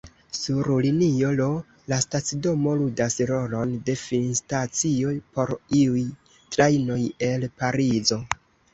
Sur linio L, la stacidomo ludas rolon de finstacio por iuj trajnoj el Parizo.